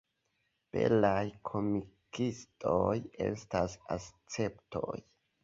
Belaj komikistoj estas esceptoj.